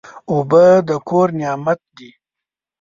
اوبه د کور نعمت دی.